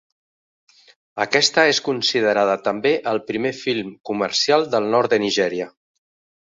Aquesta és considerada també el primer film comercial del nord de Nigèria.